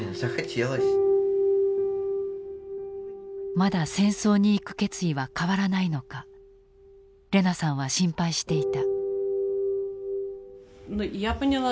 まだ戦争に行く決意は変わらないのかレナさんは心配していた。